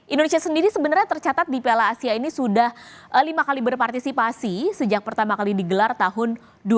indonesia sendiri sebenarnya tercatat di piala asia ini sudah lima kali berpartisipasi sejak pertama kali digelar tahun dua ribu dua